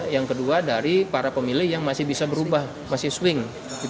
yang kedua dari para pemilih yang masih bisa berubah masih swing